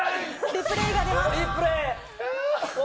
リプレイが出ます。